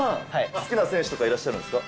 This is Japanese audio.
好きな選手とかいらっしゃるんですか。